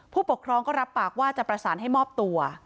ผู้ปกครองก็รับปากว่าจะประสานให้มอบตัว